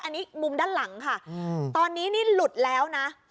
อันนี้มุมด้านหลังค่ะตอนนี้นี่หลุดแล้วนะ